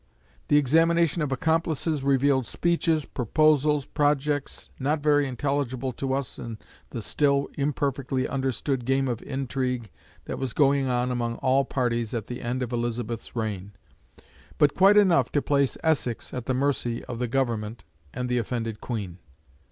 The examination of accomplices revealed speeches, proposals, projects, not very intelligible to us in the still imperfectly understood game of intrigue that was going on among all parties at the end of Elizabeth's reign, but quite enough to place Essex at the mercy of the Government and the offended Queen.